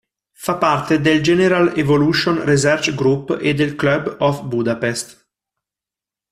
Fa parte del General Evolution Research Group e del Club of Budapest.